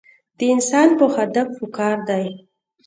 د انسان پۀ هدف پکار دے -